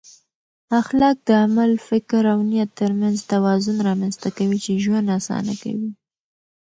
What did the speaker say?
اخلاق د عمل، فکر او نیت ترمنځ توازن رامنځته کوي چې ژوند اسانه کوي.